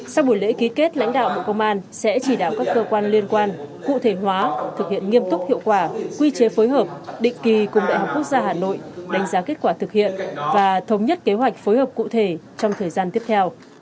sau buổi lễ ký kết lãnh đạo bộ công an sẽ chỉ đạo các cơ quan liên quan cụ thể hóa thực hiện nghiêm túc hiệu quả quy chế phối hợp định kỳ cùng đại học quốc gia hà nội đánh giá kết quả thực hiện và thống nhất kế hoạch phối hợp cụ thể trong thời gian tiếp theo